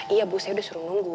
iya bu saya sudah suruh nunggu